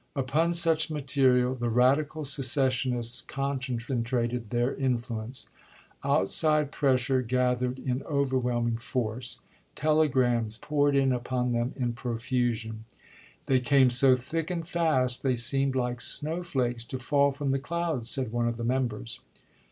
Upon such material the radical seces sionists concentrated their influence. Outside pres sure gathered in overwhelming force. Telegrams poured in upon them in profusion. " They came so thick and fast, they seemed like snowflakes to fall from the clouds," said one of the members.